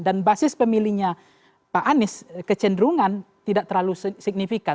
dan basis pemilihnya pak anies kecenderungan tidak terlalu signifikan